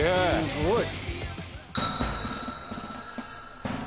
すごい。